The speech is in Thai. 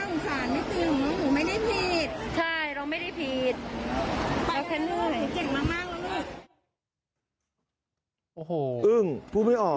กลับเข้ากันแล้วกัน